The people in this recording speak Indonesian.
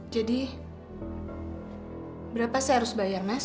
jadi berapa saya harus bayar mas